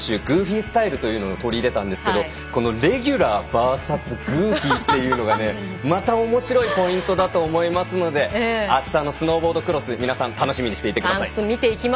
グーフィースタイルというのを取り入れたんですけどこのレギュラーＶＳグーフィーというのがまたおもしろいポイントだと思いますのであしたのスノーボードクロス皆さん楽しみにしていてください。